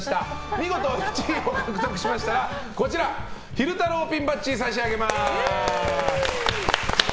見事１位を獲得しましたらこちら、昼太郎ピンバッジを差し上げます。